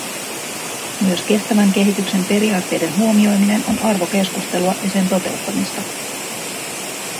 Myös kestävän kehityksen periaatteiden huomioiminen on arvokeskustelua ja sen toteuttamista.